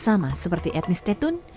sama seperti etnis tetun